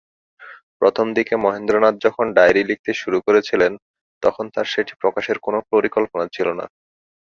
প্রথম দিকে মহেন্দ্রনাথ যখন ডায়েরি লিখতে শুরু করেছিলেন, তখন তার সেটি প্রকাশের কোনো পরিকল্পনা ছিল না।